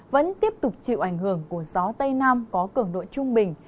vẫn tiếp tục chịu ảnh hưởng của gió tây nam có cường độ trung bình